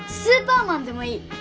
スーパーマンでもいい。